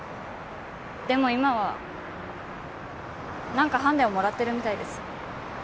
でも今はなんかハンデをもらってるみたいです。